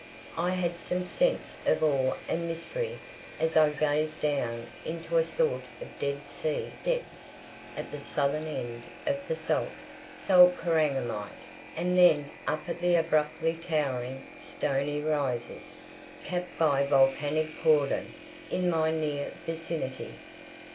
I had some sense of awe and mystery as I gazed down into a sort of "Dead Sea" depths at the southern end of salt, salt Korangamite, and then up at the abruptly towering "Stony Rises," capped by volcanic Porndon in my near vicinity.